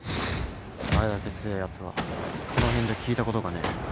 あれだけ強えやつはこの辺じゃ聞いたことがねえ。